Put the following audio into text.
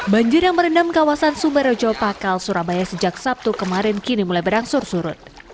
banjir yang merendam kawasan sumerojo pakal surabaya sejak sabtu kemarin kini mulai berangsur surut